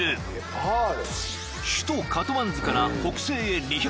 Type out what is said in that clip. ［首都カトマンズから北西へ２００ｋｍ